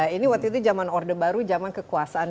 ini waktu itu jaman orde baru jaman kekuasaan